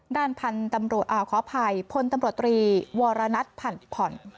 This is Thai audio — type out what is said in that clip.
ด้านพันธุ์ขออภัยพลตำรวจตรีวรณัทพันธุ์ผ่อน